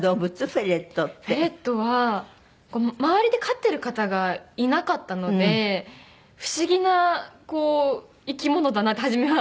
フェレットは周りで飼ってる方がいなかったので不思議な生き物だなって初めは。